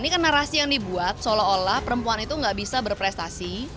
ini kan narasi yang dibuat seolah olah perempuan itu gak bisa berprestasi